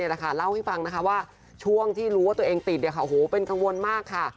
เล่าให้ฟังนะคะว่าช่วงที่รู้ว่าตัวเองติดเป็นกังวลมากค่ะ